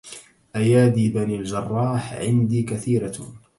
أيادي بني الجراح عندي كثيرة